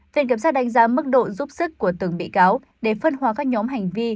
viện kiểm sát đánh giá mức độ giúp sức của từng bị cáo để phân hóa các nhóm hành vi